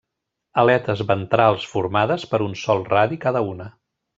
Aletes ventrals formades per un sol radi cada una.